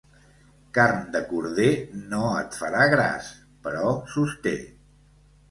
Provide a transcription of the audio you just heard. Carn de corder no et farà gras, però sosté.